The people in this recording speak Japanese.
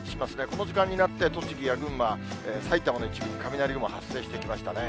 この時間になって、栃木や群馬、埼玉の一部に雷雲、発生してきましたね。